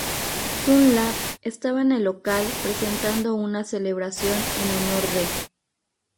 Dunlap estaba en el local presentando una celebración en honor de.